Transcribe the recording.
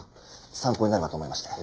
参考になればと思いまして。